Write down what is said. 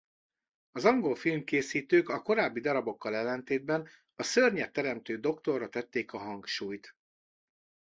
Az angol filmkészítők a korábbi darabokkal ellentétben a szörnyet teremtő doktorra tették a hangsúlyt.